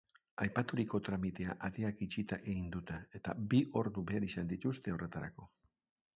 Aipaturiko tramitea ateak itxita egin dute eta bi ordu behar izan dituzte horretarako.